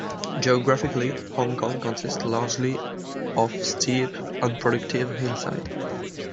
Geographically Hong Kong consists largely of steep, unproductive hillside.